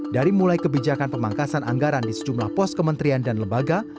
dari mulai kebijakan pemangkasan anggaran di sejumlah pos kementerian dan lembaga